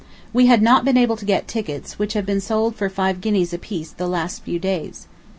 We had not been able to get tickets, which have been sold for five guineas apiece the last few days.